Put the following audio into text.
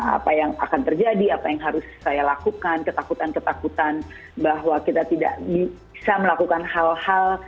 apa yang akan terjadi apa yang harus saya lakukan ketakutan ketakutan bahwa kita tidak bisa melakukan hal hal